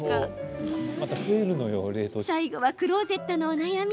最後はクローゼットのお悩み。